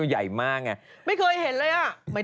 ๓๔นิตยาวะไม่เคยเห็นเลยอะ